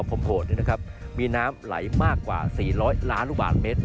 แต่สามารถเก็บน้ำไหลผ่านมากกว่า๔๐๐ล้านลูกบาทเมตร